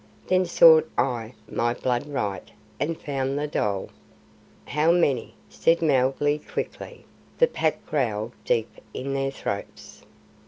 Then sought I my Blood Right and found the dhole." "How many?" said Mowgli quickly; the Pack growled deep in their throats.